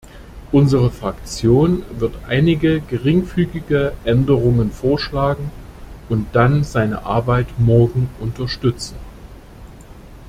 Unsere Fraktion wird einige geringfügige Änderungen vorschlagen und dann seine Arbeit morgen unterstützen.